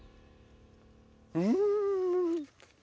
うん！